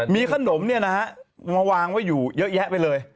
มีขนมมาวางไว้อยู่เยอะแยะไปเลย